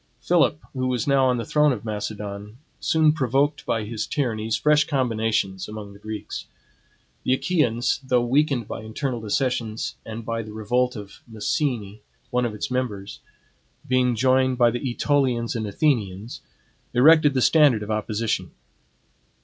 Philip, who was now on the throne of Macedon, soon provoked by his tyrannies, fresh combinations among the Greeks. The Achaeans, though weakened by internal dissensions and by the revolt of Messene, one of its members, being joined by the AEtolians and Athenians, erected the standard of opposition.